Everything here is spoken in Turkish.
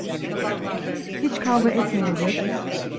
Hiç kavga etmeyecek…